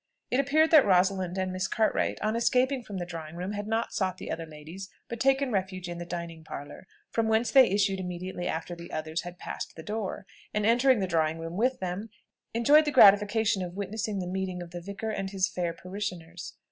It appeared that Rosalind and Miss Cartwright on escaping from the drawing room had not sought the other ladies, but taken refuge in the dining parlour, from whence they issued immediately after the others had passed the door, and entering the drawing room with them, enjoyed the gratification of witnessing the meeting of the vicar and his fair parishioners.